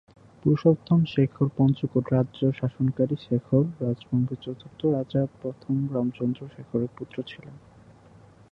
পুরুষোত্তম শেখর পঞ্চকোট রাজ্য শাসনকারী শেখর রাজবংশের চতুর্থ রাজা প্রথম রামচন্দ্র শেখরের পুত্র ছিলেন।